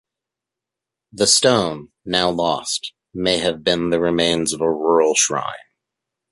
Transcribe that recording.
The stone, now lost, may have been the remains of a rural shrine.